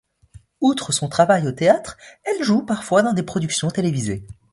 Outre son travail au théâtre, elle joue parfois dans des productions télévisées.